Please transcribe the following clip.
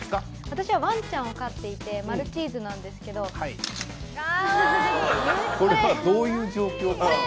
私はワンちゃんを飼っていてマルチーズなんですけどカワイイこれはどういう状況から？